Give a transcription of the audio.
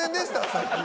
さっき。